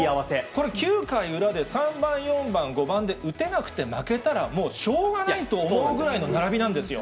これ、９回裏で３番、４番、５番で打てなくて負けたらもうしょうがないと思うぐらいの並びなんですよ。